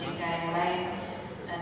yang kami hormati